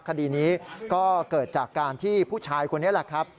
คดีนี้ก็เกิดจากการที่ผู้ชายคนนี้แหละครับ